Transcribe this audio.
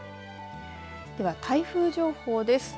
では台風情報です。